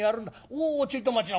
おおちょいと待ちな。